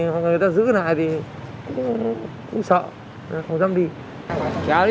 hoặc là người ta giữ cái này thì cũng sợ không dám đi